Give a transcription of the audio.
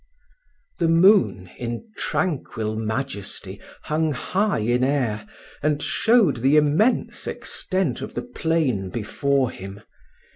The moon, in tranquil majesty, hung high in air, and showed the immense extent of the plain before him.